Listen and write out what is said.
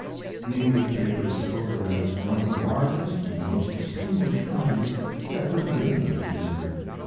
The English papers spoke of it as one of the largest and most distinguished parties ever given at Windsor.